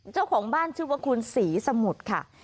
เจ้าของบ้านชื่อว่าคุณศรีสมุทรค่ะ